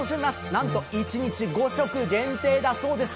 なんと一日５食限定だそうです。